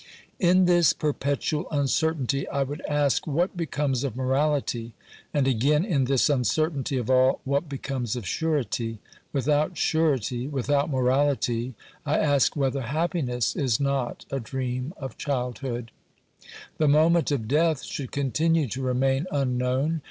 In this perpetual uncertainty I would ask what becomes of morality, and again, in this uncertainty of all, what becomes of surety ? Without surety, without morality, I ask whether happiness is not a dream of childhood ? The moment of death should continue to remain un known.